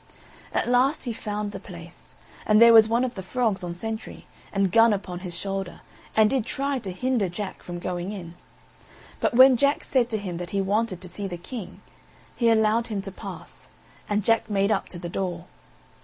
At last he found the place; and there was one of the frogs on sentry, and gun upon his shoulder, and did try to hinder Jack from going in; but when Jack said to him that he wanted to see the King, he allowed him to pass; and Jack made up to the door.